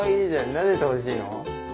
なでてほしいの？